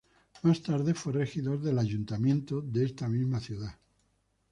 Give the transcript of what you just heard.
Más tarde fue regidor del Ayuntamiento de esta misma ciudad.